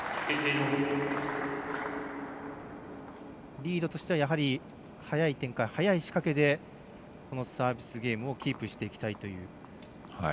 リードとしては早い展開、早い仕掛けでサービスゲームをキープしていきたいという。